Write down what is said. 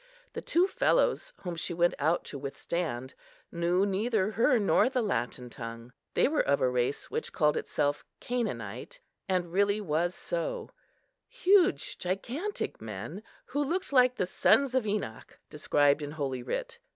The two fellows, whom she went out to withstand, knew neither her nor the Latin tongue. They were of a race which called itself Canaanite, and really was so; huge, gigantic men, who looked like the sons of Enac, described in Holy Writ.